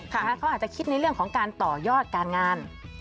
เขาอาจจะคิดในเรื่องของการต่อยอดการงาน